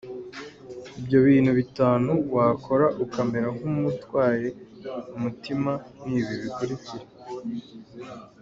Ibyo bintu bitanu wakora ukamera nk’umutwaye umutima ni ibi bikurikira:.